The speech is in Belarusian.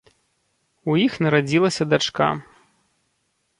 У іх нарадзілася дачка.